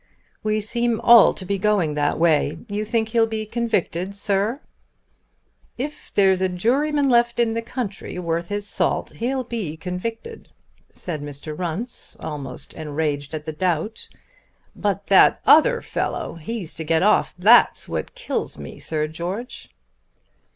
"We seem all to be going that way. You think he'll be convicted, Sir?" "If there's a juryman left in the country worth his salt, he'll be convicted," said Mr. Runce, almost enraged at the doubt. "But that other fellow; he's to get off. That's what kills me, Sir George."